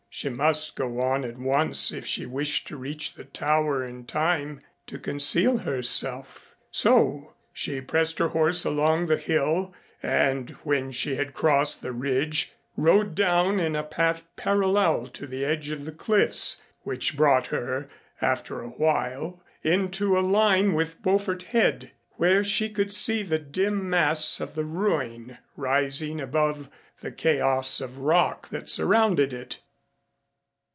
She must go on at once if she wished to reach the Tower in time to conceal herself. So she pressed her horse along the hill, and when she had crossed the ridge rode down in a path parallel to the edge of the cliffs, which brought her after a while into a line with Beaufort Head, where she could see the dim mass of the ruin rising above the chaos of rock that surrounded it.